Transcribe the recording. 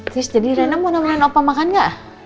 tris jadi rena mau namanya opa makan gak